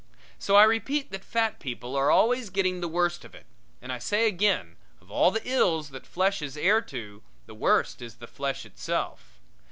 So I repeat that fat people are always getting the worst of it, and I say again, of all the ills that flesh is heir to, the worst is the flesh itself.